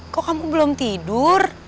kok kamu belum tidur